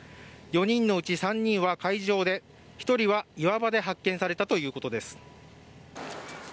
４人のうち３人は海上で１人は岩場で発見されたということです。